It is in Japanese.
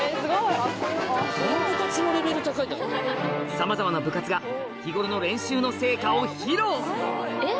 さまざまな部活が日頃の練習の成果を披露